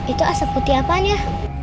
itu asap putih apanya